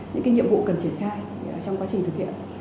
những nhiệm vụ cần triển khai trong quá trình thực hiện